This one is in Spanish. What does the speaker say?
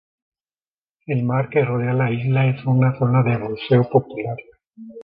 El mar que rodea la isla es una zona de buceo popular.